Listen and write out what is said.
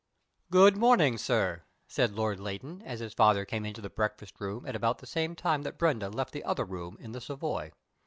"Good morning, sir," said Lord Leighton, as his father came into the breakfast room at about the same time that Brenda left the other room in the Savoy.